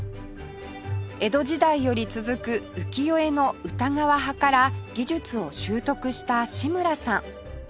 江戸時代より続く浮世絵の歌川派から技術を習得した志村さん